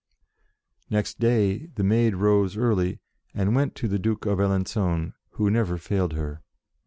Next day the Maid rose early, and went to the Duke of Alencon, who never failed her.